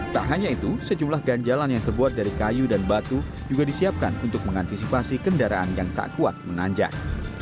tak hanya itu sejumlah ganjalan yang terbuat dari kayu dan batu juga disiapkan untuk mengantisipasi kendaraan yang tak kuat menanjak